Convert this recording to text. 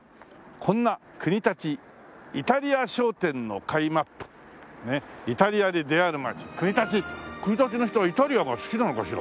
こんな「くにたちイタリア商店の会ＭＡＰ」ねえ「イタリアに出会える街国立」国立の人はイタリアが好きなのかしら。